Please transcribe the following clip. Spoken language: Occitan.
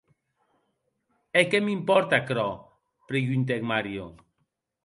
E qué m’impòrte aquerò?, preguntèc Mario.